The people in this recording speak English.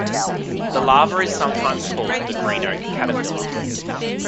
The larva is sometimes called the green oak caterpillar.